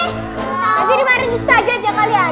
tadi dimarin just aja aja kalian